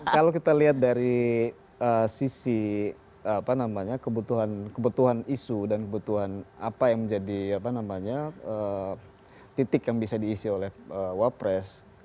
kalau kita lihat dari sisi kebutuhan isu dan kebutuhan apa yang menjadi titik yang bisa diisi oleh wapres